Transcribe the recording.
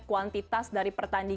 mungkin juga bisa diperbanyakkan